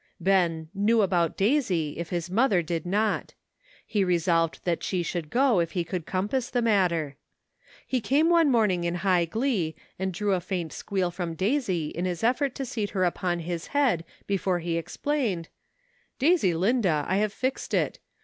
Ben " knew about Daisy " if his mother did not ; he resolved that she should go if he could compass the matter. He came one morning in high glee, and drew a faint squeal from Daisy in his effort to seat her upon his head before he explained; "Daisylinda, I have fixed it.